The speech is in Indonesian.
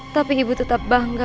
tapi ibu tetap bangga